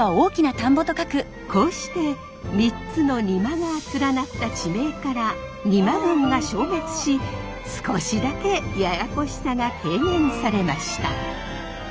こうして３つのにまが連なった地名から邇摩郡が消滅し少しだけややこしさが軽減されました。